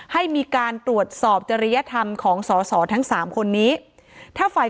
ให้มีการตรวจสอบจริยธรรมของสอสอทั้งสามคนนี้ถ้าฝ่าย